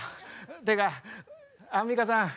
てかアンミカさん